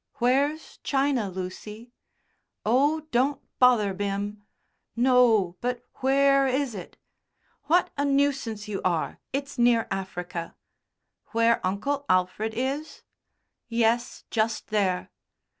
"Where's China, Lucy?" "Oh, don't bother, Bim." "No, but where is it?" "What a nuisance you are! It's near Africa." "Where Uncle Alfred is?" "Yes, just there."